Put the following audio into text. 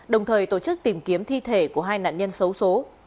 đồng thời tổ chức tìm kiếm thi thể của hai nạn nhân xấu xố